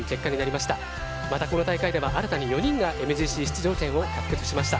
また、この大会では新たに４人がＭＧＣ出場権を獲得しました。